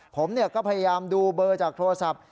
ผมก็พยายามดูเบอร์จากโทรศัพท์